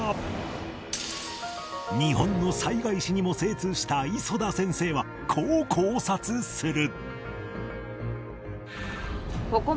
日本の災害史にも精通した磯田先生はこう考察する